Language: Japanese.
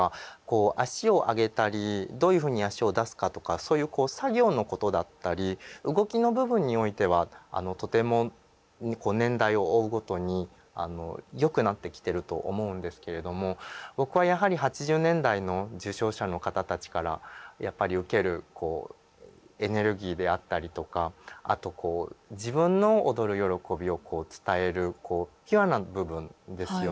足を上げたりどういうふうに足を出すかとかそういう作業のことだったり動きの部分においてはとても年代を追うごとによくなってきてると思うんですけれども僕はやはり８０年代の受賞者の方たちからやっぱり受けるこうエネルギーであったりとかあとこう自分の踊る喜びを伝えるピュアな部分ですよね。